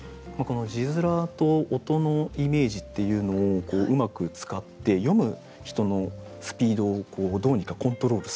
字面と音のイメージっていうのをうまく使って読む人のスピードをどうにかコントロールする。